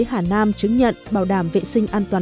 hà nam chứng nhận bảo đảm vệ sinh an toàn